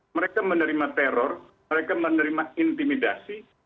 mereka menerima teror mereka menerima intimidasi